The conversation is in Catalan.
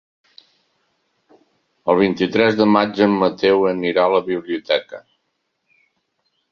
El vint-i-tres de maig en Mateu anirà a la biblioteca.